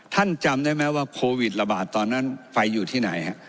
จำได้ไหมว่าโควิดระบาดตอนนั้นไฟอยู่ที่ไหนฮะ